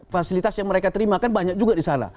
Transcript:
fasilitas yang mereka terima kan banyak juga di sana